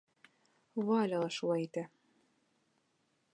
Валя лә шулай итә.